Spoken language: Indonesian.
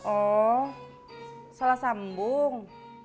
oh salah sambung